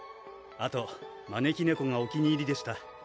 あとまねきねこがお気に入りでした